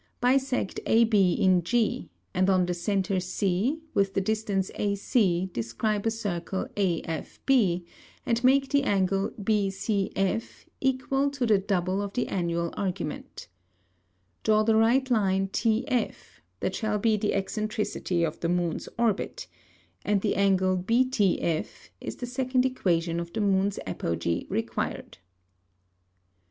Bissect AB in G; and on the Centre C, with the Distance AC describe a Circle AFB, and make the Angle BCF = to the double of the Annual Argument. Draw the Right Line TF, that shall be the Eccentricity of the Moon's Orbit; and the Angle BTF, is the second Equation of the Moon's Apogee required.